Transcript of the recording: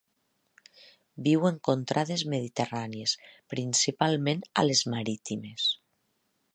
Viu en contrades mediterrànies principalment a les marítimes.